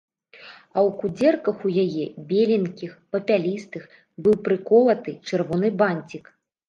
А ў кудзерках у яе, беленькіх, папялястых, быў прыколаты чырвоны банцік.